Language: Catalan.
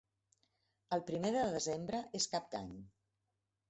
El primer de desembre és Cap d'Any.